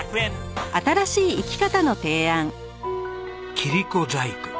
切子細工。